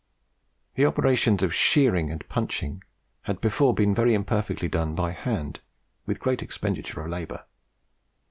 The operations of shearing and punching had before been very imperfectly done by hand, with great expenditure of labour.